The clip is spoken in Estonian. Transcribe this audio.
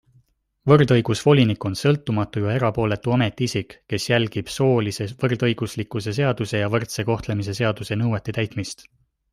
Võrdõigusvolinik on sõltumatu ja erapooletu ametiisik, kes jälgib soolise võrdõiguslikkuse seaduse ja võrdse kohtlemise seaduse nõuete täitmist.